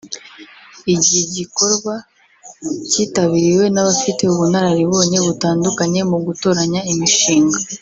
Igi gikorwa kitabiriwe n’abafite ubunararibonye butandukanye mu gutoranya imishinga